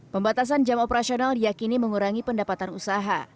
pembatasan jam operasional diakini mengurangi pendapatan usaha